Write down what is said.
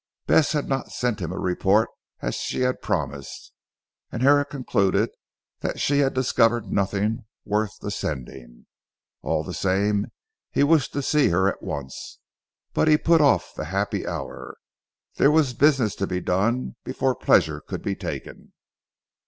Bess had not sent him a report as she had promised, and Herrick concluded that she had discovered nothing worth the sending. All the same he wished to see her at once. But he put off the happy hour. There was business to be done before pleasure could be taken.